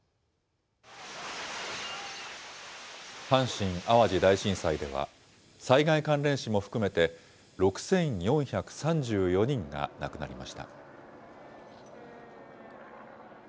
阪神・淡路大震災では、災害関連死も含めて、６４３４人が亡くなりました。